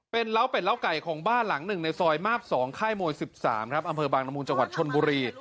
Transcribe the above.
เป็นเล้าเป็ดเล้าไก่ของบ้านหลังหนึ่งในซอยมาบ๒ค่ายโมย๑๓อบนมจชลบุรี